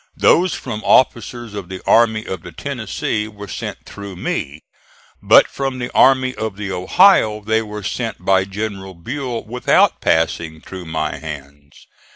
Those from officers of the Army of the Tennessee were sent through me; but from the Army of the Ohio they were sent by General Buell without passing through my hands.